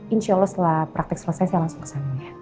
insya allah setelah praktek selesai saya langsung ke sana